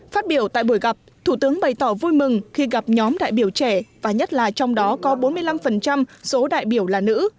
phát biểu tại buổi gặp thủ tướng bày tỏ vui mừng khi gặp nhóm đại biểu trẻ và nhất là trong đó có bốn mươi năm số đại biểu là nữ